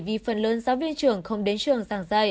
vì phần lớn giáo viên trường không đến trường giảng dạy